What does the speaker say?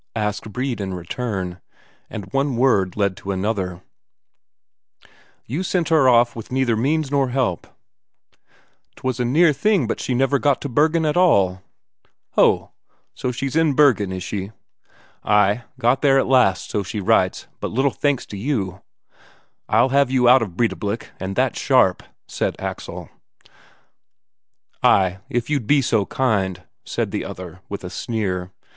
asked Brede in return. And one word led to another: "You sent her off with neither help nor means, 'twas a near thing but she never got to Bergen at all." "Ho! So she's in Bergen, is she?" "Ay, got there at last, so she writes, but little thanks to you." "I'll have you out of Breidablik, and that sharp," said Axel. "Ay, if you'd be so kind," said the other, with a sneer.